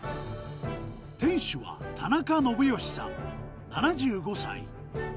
店主は田中伸佳さん７５歳。